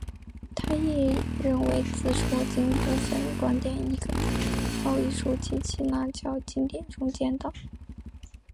他亦认为自说经部份观点亦可在奥义书及耆那教经典中见到。